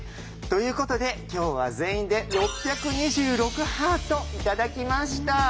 ということで今日は全員で６２６ハート頂きました。